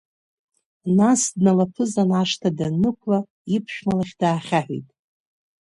Нас дналаԥызаны ашҭа даннықәла, иԥшәма лахь даахьаҳәит…